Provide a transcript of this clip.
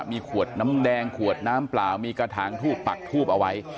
มีขวดน้ำแดงขวดน้ำเปล่ามีกระถางทูบปักทูบเอาไว้